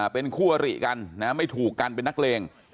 เป็นคู่อริกันไม่ถูกกันเป็นนักเลง